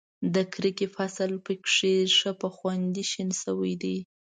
د کرکې فصل په کې ښه په خوند شین شوی دی.